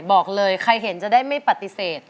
บอกเลยใครเห็นจะได้ไม่ปฏิเสธ